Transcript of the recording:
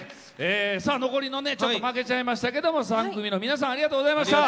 残りの負けちゃいましたけど３組の皆さんありがとうございました。